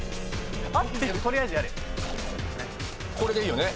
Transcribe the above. これでいいよね？